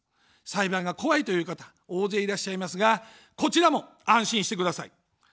裁判が怖いという方、大勢いらっしゃいますが、こちらも安心してください。